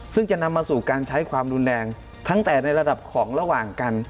ซึ่งจะนำมาสู่การใช้ความรุนแรงตั้งแต่ในระดับของระหว่างกัน